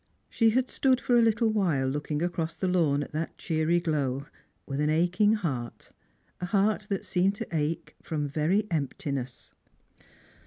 She had stood for a little while looking across the lawn at that cheery glow, with an aching heart, a heart that seemed to ache from very emptiness.